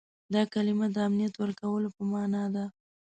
دا کلمه د امنیت ورکولو په معنا ده.